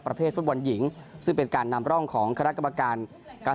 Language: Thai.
ประเภทฟุตบอลหญิงซึ่งเป็นการนำล่องของคลักกรรมการ